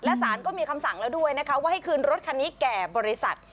และสารก็มีคำสั่งแล้วด้วยนะคะว่าให้คืนรถคันนี้แก่บริษัท